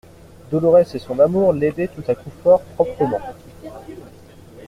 Dolorès et son amour l'aidaient tout à coup fort proprement.